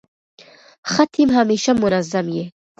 ښه ټیم همېشه منظم يي.